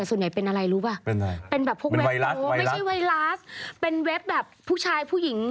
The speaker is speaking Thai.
ส่วนใหญ่เป็นอะไรรู้ป่ะเป็นแบบพวกเว็บไม่ใช่ไวรัสเป็นเว็บแบบผู้ชายผู้หญิง